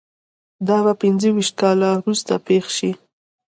دا به پنځه ویشت کاله وروسته پېښ شي